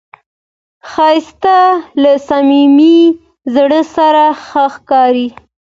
ښایست له صمیمي زړه سره ښکاري